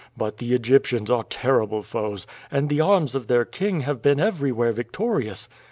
But the Egyptians are terrible foes, and the arms of their king have been everywhere victorious.